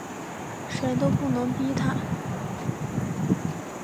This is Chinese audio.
谁都不能逼他